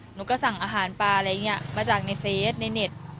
หนูก็สั่งอาหารปลาอะไรอย่างนี้มาจากในเฟสในเน็ต